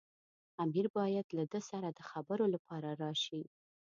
امیر باید له ده سره د خبرو لپاره راشي.